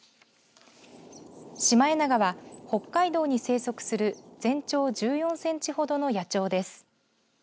シマエナガは北海道に生息する全長１４センチほどの野鳥です。